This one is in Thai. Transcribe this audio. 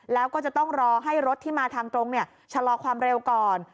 แล้วก็จะต้องรอให้รถที่มาทางตรงชะลอความเร็วก่อน